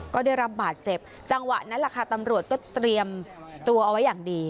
ก็ได้รับบาดเจ็บจังหวะนั้นแหละค่ะตำรวจก็เตรียมตัวเอาไว้อย่างดี